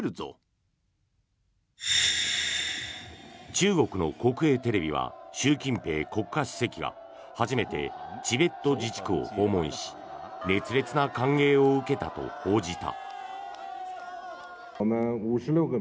中国の国営テレビは習近平国家主席が初めてチベット自治区を訪問し熱烈な歓迎を受けたと報じた。